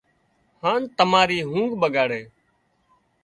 هان تماري اونگھ ٻڳاڙِي